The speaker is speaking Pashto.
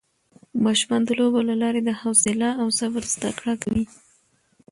ماشومان د لوبو له لارې د حوصله او صبر زده کړه کوي